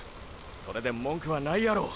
それで文句はないやろう。